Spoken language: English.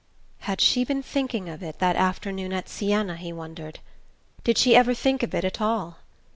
Had she been thinking of it that afternoon at Siena, he wondered? Did she ever think of it at all?...